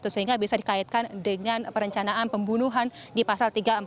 sehingga bisa dikaitkan dengan perencanaan pembunuhan di pasal tiga ratus empat puluh